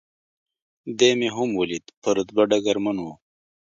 دی مې هم ولید، په رتبه ډګرمن و.